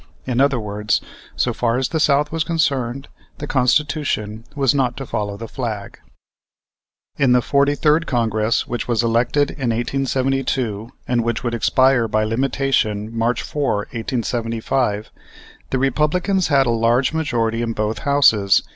In other words, so far as the South was concerned, the Constitution was not to follow the flag. In the 43rd Congress which was elected in 1872 and which would expire by limitation March 4, 1875, the Republicans had a large majority in both Houses.